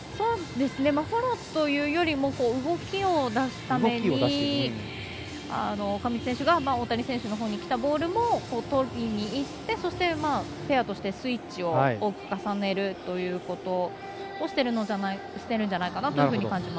フォローというより動きを出すために上地選手が大谷選手にきたボールも取りにいってそして、ペアとしてスイッチを多く重ねることをしてるように感じました。